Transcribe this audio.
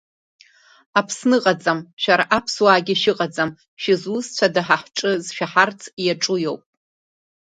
Аԥсны ыҟаӡам, шәара аԥсуаагьы шәыҟаӡам, шәызусҭцәада ҳәа ҳҿы зшәаҳарц иаҿу иоуп…